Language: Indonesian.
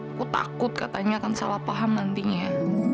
aku takut katanya akan salah paham nantinya